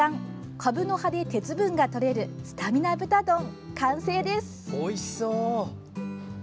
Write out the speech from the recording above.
かぶの葉で鉄分がとれるスタミナ豚丼、完成です。